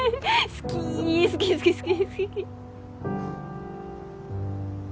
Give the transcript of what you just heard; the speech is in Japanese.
好き好き好き好き。